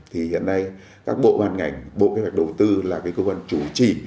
hiện nay các bộ hoàn ngành bộ kế hoạch đầu tư là cơ quan chủ trì